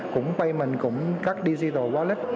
cũng payment cũng các digital wallet